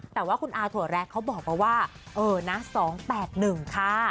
แต่ว่าคุณอาถั่วแรกเขาบอกมาว่าเออนะ๒๘๑ค่ะ